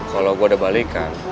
kalau gua ada balikan